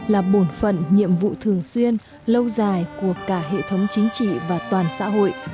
là bổn phận nhiệm vụ thường xuyên lâu dài của cả hệ thống chính trị và toàn xã hội